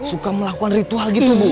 suka melakukan ritual gitu bu